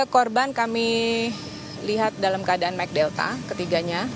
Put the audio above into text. korban kami lihat dalam keadaan mike delta ketiganya